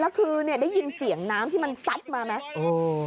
แล้วคือเนี่ยได้ยินเสียงน้ำที่มันซัดมาไหม